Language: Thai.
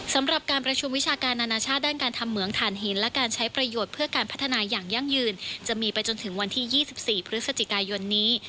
สำหรับการประชุมวิชาการนานาชาติด้านการทำเหมืองฐานหินและการใช้ประโยชน์เพื่อการพัฒนาอย่างยั่งยืนจะมีไปจนถึงวันที่๒๔พฤศจิกายนนี้